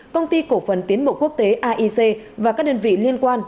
công ty cổ phần tiến bộ quốc tế aic và các đơn vị liên quan